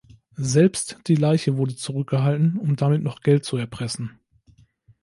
Selbst die Leiche wurde zurückgehalten, um damit noch Geld zu erpressen.